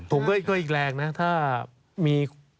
ผมก็อีกแรงนะถ้ามี